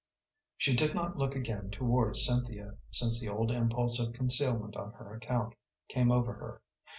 She did not look again towards Cynthia since the old impulse of concealment on her account came over her.